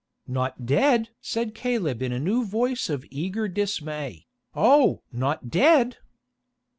"Not dead?" said Caleb in a new voice of eager dismay, "Oh! not dead?"